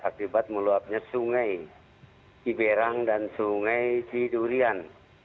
akibat meluapnya sungai ciberang dan sungai cidurian